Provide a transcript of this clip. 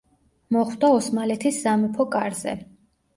მოხვდა ოსმალეთის სამეფო კარზე.